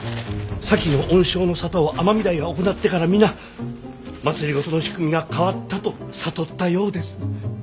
先の恩賞の沙汰を尼御台が行ってから皆政の仕組みが変わったと悟ったようです。